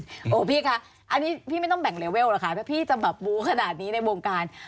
อเรนนี่พี่ค่ะอันนี้พี่ไม่ต้องแบ่งเลเวลนะคะเพราะพี่จะบาปมูลขนาดนี้ในวงการ